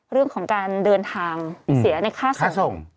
เรื่องของการเดินทางเสียในค่าขนส่ง